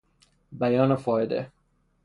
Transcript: بیان فائده